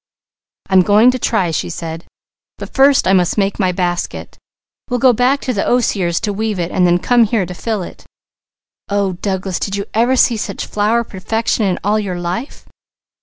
"I'm going to try," she said. "But first I must make my basket. We'll go back to the osiers to weave it and then come here to fill it. Oh Douglas! Did you ever see such flower perfection in all your life?"